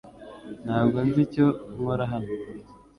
Ntabwo nzi icyo nkora hano .